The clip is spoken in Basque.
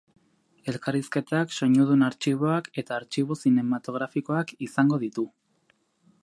Elkarrizketak, soinudun artxiboak, eta artxibo zinematografikoak izango ditu.